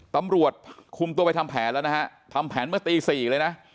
ตำรวจคุมตัวไปทำแผนแล้วนะฮะทำแผนเมื่อตี๔เลยนะ